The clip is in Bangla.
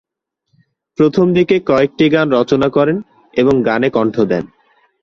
প্রথমদিকে কয়েকটি গান রচনা করেন এবং গানে কণ্ঠ দেন।